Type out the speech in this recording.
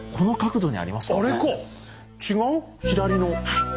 はい。